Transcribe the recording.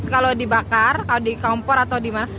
kalau dibakar kalau di kompor atau di mana